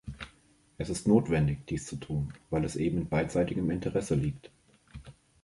Es ist notwendig, dies zu tun, weil es eben in beidseitigem Interesse liegt.